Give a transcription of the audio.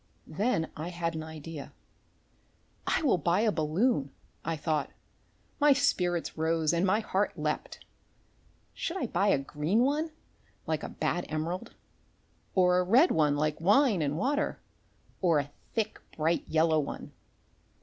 Then I had an idea. "I will buy a balloon," I thought. My spirits rose and my heart leapt. Should I buy a green one like a bad emerald, or a red one like wine and water, or a thick bright yellow one?